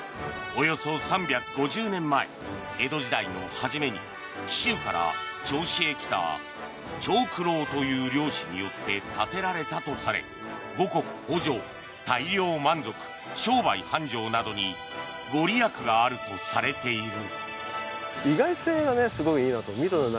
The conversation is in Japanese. およそ３５０年前江戸時代の初めに紀州から銚子へ来た長九郎という漁師によって建てられたとされ五穀豊穣、大漁満足商売繁盛などに御利益があるとされている。